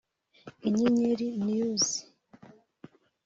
inyenyerinews